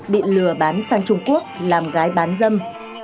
bị lừa bán sang trung quốc làm gái bán dâm